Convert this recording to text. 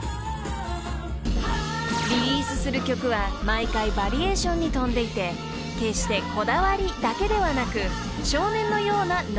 ［リリースする曲は毎回バリエーションに富んでいて決してこだわりだけではなく少年のようなノリで作っていそうな部分が